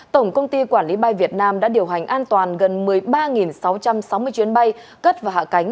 tổng công ty quản lý bay việt nam đã điều hành an toàn gần một mươi ba sáu trăm sáu mươi chuyến bay cất và hạ cánh